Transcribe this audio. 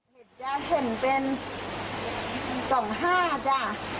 มิดจะเห็นเป็น๒๕จ้ะ